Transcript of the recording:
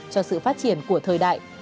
cho sự phát triển của thời đại